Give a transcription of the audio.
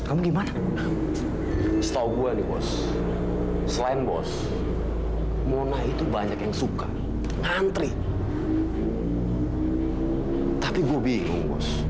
kamu kamu mau kan menikah sama mas